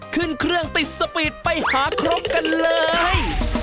ขึ้นเครื่องติดสปีดไปหาครบกันเลย